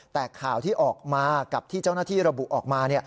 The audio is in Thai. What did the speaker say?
แต่ข่าวที่ออกมากับที่เจ้าหน้าที่ระบุออกมา